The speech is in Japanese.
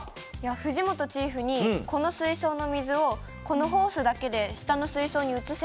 藤本チーフにこの水槽の水をこのホースだけで下の水槽に移せって言われたんです。